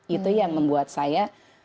itu yang membuat saya